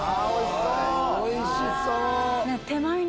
おいしそう！